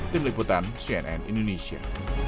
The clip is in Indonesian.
tim liputan cnn indonesia